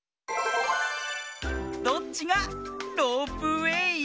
どっちがロープウエー？